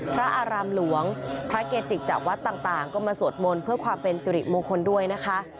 พระอารามหลวงพระเกจิกจากวัดต่างก็มาสวดมนต์เพื่อความเป็นสิริมงคลด้วยนะคะ